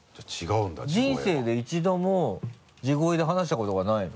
人生で一度も地声で話したことがないの？